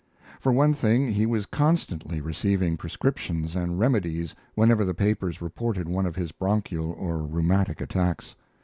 For one thing, he was constantly receiving prescriptions and remedies whenever the papers reported one of his bronchial or rheumatic attacks.